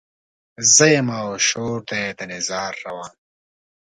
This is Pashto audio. زه يمه او شور دی د نيزار روان